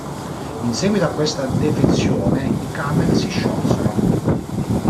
In seguito a questa defezione i Camel si sciolsero.